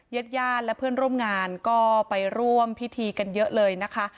ญาติญาติและเพื่อนร่วมงานก็ไปร่วมพิธีกันเยอะเลยนะคะ